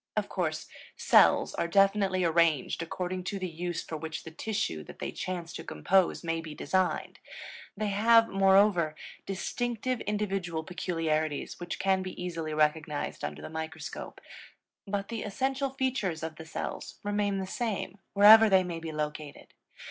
Of course, cells are definitely arranged according to the use for which the tissue that they chance to compose may be designed; they have, moreover, distinctive individual peculiarities which can be easily recognized under the microscope; but the essential features of the cells remain the same, wherever they may be located.